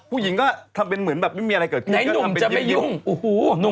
ผู้หญิงก็ทำเป็นเหมือนไม่มีอะไรเกิดขึ้น